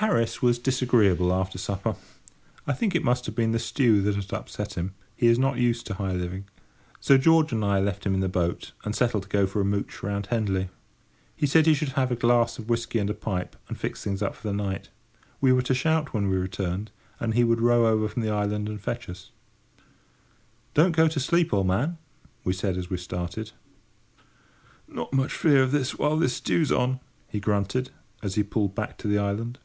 Harris was disagreeable after supper,—I think it must have been the stew that had upset him: he is not used to high living,—so George and I left him in the boat, and settled to go for a mouch round Henley. He said he should have a glass of whisky and a pipe, and fix things up for the night. We were to shout when we returned, and he would row over from the island and fetch us. "Don't go to sleep, old man," we said as we started. "Not much fear of that while this stew's on," he grunted, as he pulled back to the island.